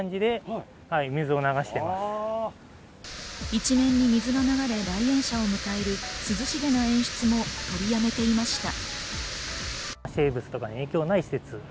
一面に水が流れ、来園者を迎える涼しげな演出を取り止めていました。